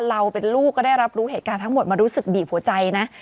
เราเป็นลูกก็ได้รับรู้เหตุการณ์ทั้งหมดมารู้สึกบีบหัวใจนะ